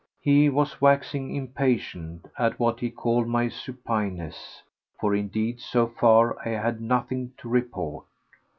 He was waxing impatient at what he called my supineness, for indeed so far I had had nothing to report.